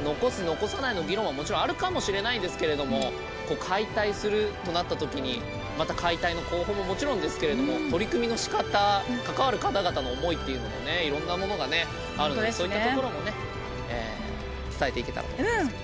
・残さないの議論はもちろんあるかもしれないんですけれども解体するとなった時にまた解体の工法ももちろんですけれども取り組みのしかた関わる方々の思いっていうのもねいろんなものがねあるのでそういったところもね伝えていけたらと思いますけど。